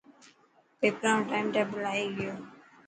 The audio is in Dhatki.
پيپران رو ٽائم ٽيبل آي گيو.